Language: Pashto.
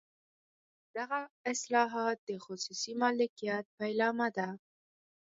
دغه اصلاحات د خصوصي مالکیت پیلامه ده.